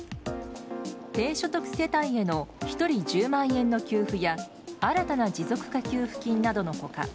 低所得世帯への１人１０万円の給付や新たな持続化給付金などの他